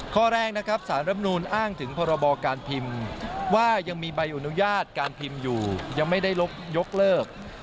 ข้อแรกนะครับสารรำนูนอ้างถึงพรบการพิมพ์ว่ายังมีใบอนุญาตการพิมพ์อยู่ยังไม่ได้ยกเลิก